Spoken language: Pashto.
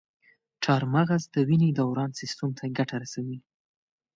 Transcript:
چارمغز د وینې دوران سیستم ته ګټه رسوي.